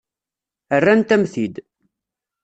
Rrant-am-t-id.